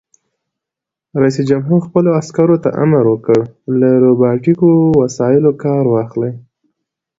رئیس جمهور خپلو عسکرو ته امر وکړ؛ له روباټیکو وسایلو کار واخلئ!